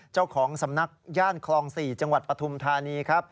เจ้าของสำนักย่านคลอง๔จังหวัดปฐุมธานีครับ